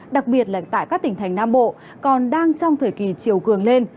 đặc biệt là tại các tỉnh thành nam bộ còn đang trong thời kỳ chiều cường lên